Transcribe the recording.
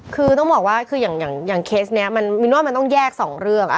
คือต้องบอกว่าคืออย่างเคสนี้มินว่ามันต้องแยก๒เรื่อง